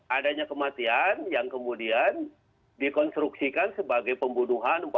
adanya kematian yang kemudian dikonstruksikan sebagai pembunuhan